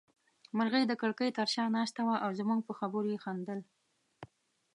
مرغۍ د کړکۍ تر شا ناسته وه او زموږ په خبرو يې خندل.